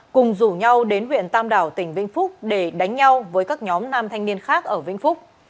cùng rủ nhau đến huyện tam đảo tỉnh vĩnh phúc để đánh nhau với các nhóm nam thanh niên khác ở vĩnh phúc